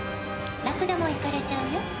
「ラクダもイカれちゃうよ